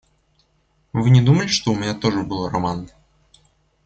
Вы не думали, что у меня тоже был роман?